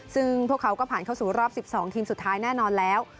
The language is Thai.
ซึ่งพวกเขาก็ผ่านเข้าสู่รอบ๑๒ทีมสุดท้ายแน่นอนแล้ว